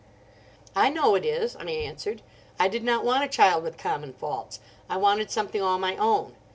"I know it is," I answered. "I did not want a child with common faults. I wanted something all my own.